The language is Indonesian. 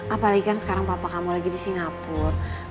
apalagi kan sekarang papa kamu lagi di singapura